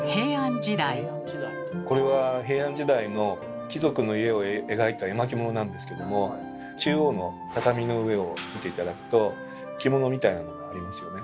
これは平安時代の貴族の家を描いた絵巻物なんですけども中央の畳の上を見て頂くと敷物みたいなのがありますよね。